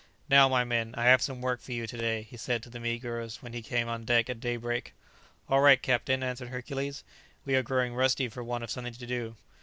"Now, my men, I have some work for you to day," he said to the negroes when he came on deck at daybreak. "All right, captain," answered Hercules, "we are growing rusty for want of something to do."